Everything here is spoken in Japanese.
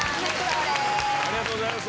ありがとうございます。